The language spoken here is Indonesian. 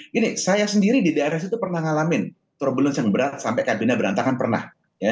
gini saya sendiri di daerah situ pernah ngalamin turbulensi yang berat sampai kabinetnya berantakan pernah